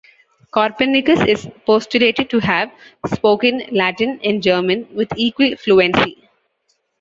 Copernicus is postulated to have spoken Latin and German with equal fluency.